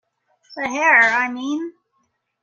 The hair, I mean.